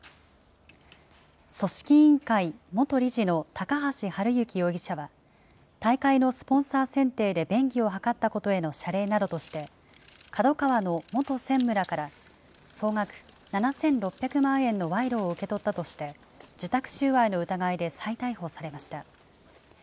組織委員会元理事の高橋治之容疑者は、大会のスポンサー選定で便宜を図ったことへの謝礼などとして、ＫＡＤＯＫＡＷＡの元専務らから、総額７６００万円の賄賂を受け取ったとして、受託収賄の疑いで再逮捕されました。